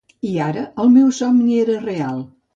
I ara el meu somni era real.